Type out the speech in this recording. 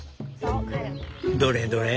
「どれどれ？」。